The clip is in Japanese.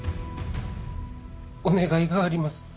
お願いがあります。